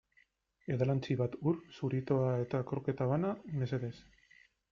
Edalontzi bat ur, zuritoa eta kroketa bana, mesedez.